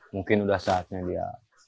mungkin sudah saatnya dia